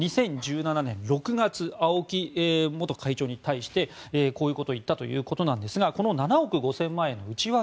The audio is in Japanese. ２０１７年６月青木元会長に対してこういうことを言ったということですがこの７億５０００万円の内訳